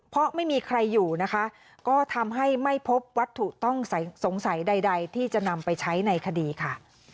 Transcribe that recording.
เพราะไม่มีใครอยู่นะคะก็ทำให้ไม่พบวัตถุต้องสงสัยใดที่จะนำไปใช้ในคดีค่ะ